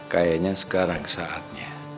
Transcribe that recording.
kayaknya sekarang saatnya